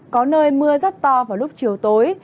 có nơi mưa rất to vào lúc chiều tối